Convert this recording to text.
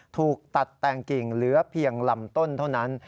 ถูกตัดแต่งกิ่งเหลือเพียงลำต้นเท่านั้น